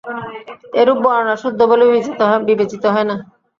এরূপ বর্ণনা শুদ্ধ বলে বিবেচিত হয় না।